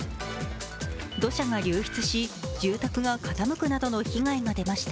土砂が流失し、住宅が傾くなどの被害が出ました。